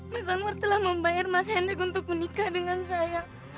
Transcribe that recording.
mas amur telah membayar mas hendek untuk menikah dengan saya